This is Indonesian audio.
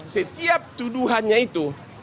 setiap tuduhannya itu